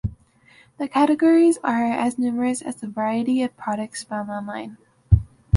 The categories are as numerous as the variety of products found online.